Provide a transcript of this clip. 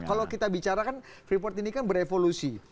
kalau kita bicara kan free port ini kan berevolusi